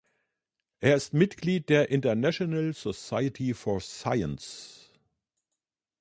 Er ist Mitglied der International Society for Science.